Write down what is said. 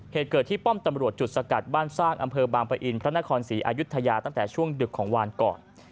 เหตุเกิดที่ป้อมตำรวจจุดสกัดบ้านสร้างอำเภอบางปะอินพระนครศรีอายุทยาตั้งแต่ช่วงดึกของวานก่อน